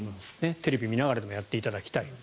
テレビ見ながらでもやっていただきたい。